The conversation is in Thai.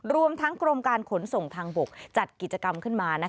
รวมทั้งกรมการขนส่งทางบกจัดกิจกรรมขึ้นมา